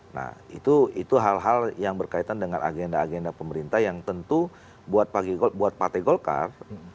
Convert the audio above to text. nah itu hal hal yang berkaitan dengan agenda agenda pemerintah yang tentu buat partai golkar